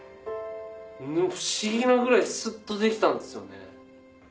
不思議なぐらいすっとできたんすよね。